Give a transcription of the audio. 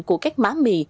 của các má mì